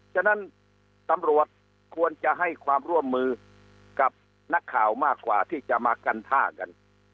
ฉะนั้นตำรวจควรจะให้ความร่วมมือกับนักข่าวมากกว่าที่จะมากันท่ากัน